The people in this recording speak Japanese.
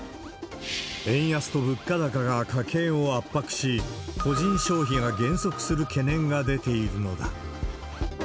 円安と物価高が家計を圧迫し、個人消費が減速する懸念が出ているのだ。